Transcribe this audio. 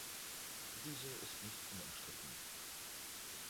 Diese ist nicht unumstritten.